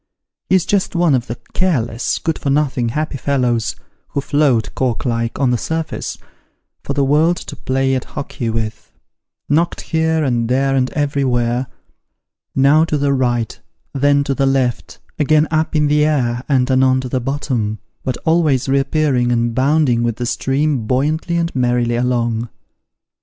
He is just one of the careless, good for nothing, happy fellows, who float, cork like, on the surface, for the world to play at hockey with: knocked here, and there, and everywhere : now to the right, then to the left, again up in the air, and anon to the bottom, but always reappearing and bounding with the stream buoyantly and merrily along.